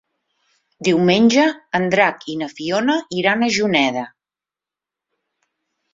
Diumenge en Drac i na Fiona iran a Juneda.